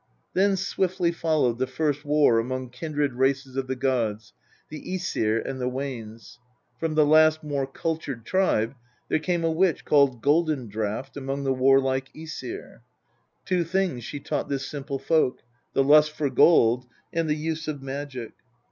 Then swiftly followed the first war among kindred races of the gods, the Msir and the Wanes. From the last more cultured tribe there came a witch called Golden draught among the warlike .Ksir. Two things she taught this simple folk the lust for gold, and the use of magic.